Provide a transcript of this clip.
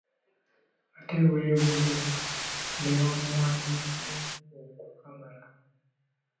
Ate lw’ebuze n’ewammwa nnyo okukamala.